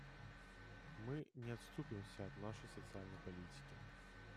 Мы не отступимся от нашей социальной политики.